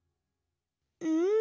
うん？